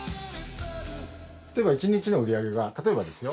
一日の売り上げが例えばですよ。